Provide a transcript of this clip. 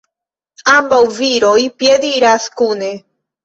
Ambaŭ viroj piediras kune.